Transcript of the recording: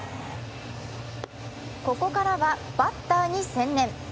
ここからはバッターに専念。